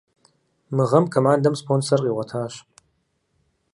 Мы гъэм командэм спонсор къигъуэтащ.